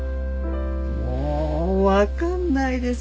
もう分かんないです